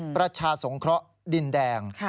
ประชาสงเคราะห์ดินแดง